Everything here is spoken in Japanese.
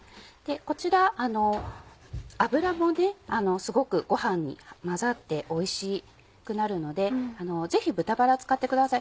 こちら脂もすごくご飯に混ざっておいしくなるのでぜひ豚バラを使ってください。